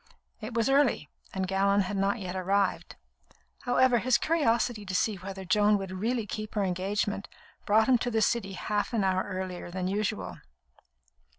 It was early, and Gallon had not yet arrived. However, his curiosity to see whether Joan would really keep her engagement brought him to the City half an hour earlier than usual.